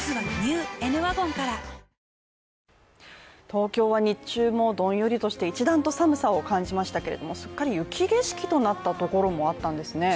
東京は日中もどんよりとして一段と寒さを感じましたけれども、すっかり雪景色となったところもあるんですね